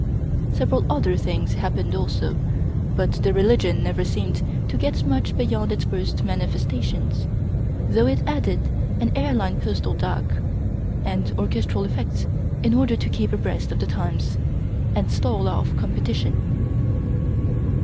Several other things happened also, but the religion never seemed to get much beyond its first manifestations ; though it added an air Une postal dak, and orchestral effects in order to keep abreast of the times, and stall off compe tition.